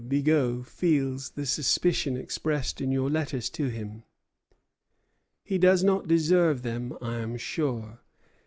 Bigot feels the suspicions expressed in your letters to him. He does not deserve them, I am sure.